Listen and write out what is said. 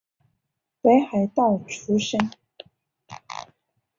北海道出身。